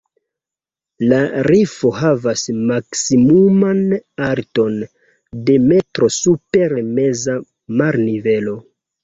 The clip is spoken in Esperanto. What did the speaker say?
La rifo havas maksimuman alton de metro super meza marnivelo.